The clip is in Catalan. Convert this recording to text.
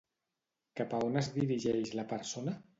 Cap a on es dirigeix la persona?